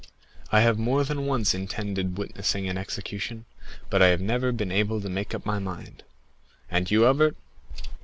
I have more than once intended witnessing an execution, but I have never been able to make up my mind; and you, Albert?"